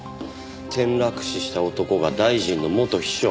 転落死した男が大臣の元秘書。